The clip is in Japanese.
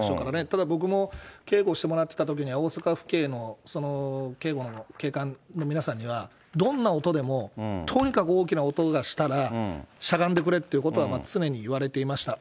ただ僕も警護してもらってたときには、大阪府警の警護の警官の皆さんには、どんな音でも、とにかく大きな音がしたら、しゃがんでくれってことは、常に言われていました。